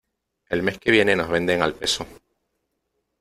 El mes que viene nos venden al peso.